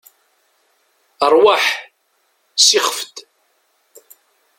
Ṛwaḥ, sixef-d.